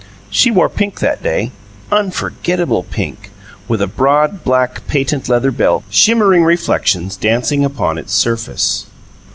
She wore pink that day unforgettable pink, with a broad, black patent leather belt, shimmering reflections dancing upon its surface.